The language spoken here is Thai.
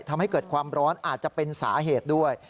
ทำให้เกิดความร้อนอาจจะเป็นสาเหตุด้วย